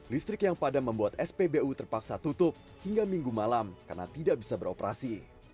listrik yang padam membuat spbu terpaksa tutup hingga minggu malam karena tidak bisa beroperasi